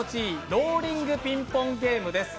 「ローリングピンポンゲーム」です。